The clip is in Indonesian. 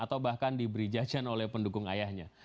atau bahkan diberi jajan oleh pendukung ayahnya